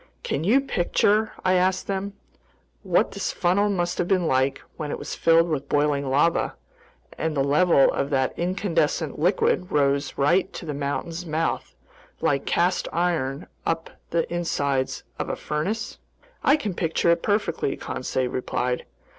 "Can you picture," I asked them, "what this funnel must have been like when it was filled with boiling lava, and the level of that incandescent liquid rose right to the mountain's mouth, like cast iron up the insides of a furnace?" "I can picture it perfectly," Conseil replied.